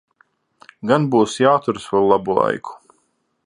Gan būs jāturas vēl labu laiku.